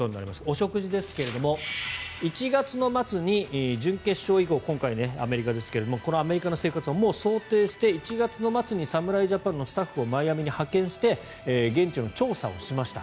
お食事ですが１月の末に準決勝以降今回、アメリカですがこのアメリカの生活を想定して１月末に侍ジャパンのスタッフをマイアミに派遣して現地の調査をしました。